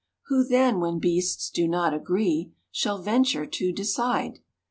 = Who then, when beasts do not agree, `Shall venture to decide?